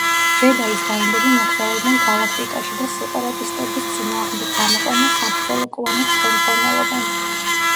ჯედაის რაინდები მოგზაურობენ გალაქტიკაში და სეპარატისტების წინააღმდეგ გამოყვანილ საბრძოლო კლონებს ხელმძღვანელობენ.